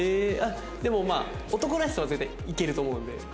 でもまあ男らしさは絶対いけると思うので。